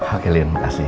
oke lien makasih